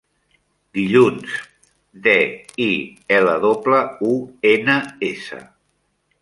Dilluns: de, i, ela doble, u, ena, essa.